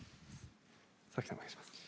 佐々木選手、お願いします。